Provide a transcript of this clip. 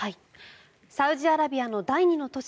サウジアラビアの第２の都市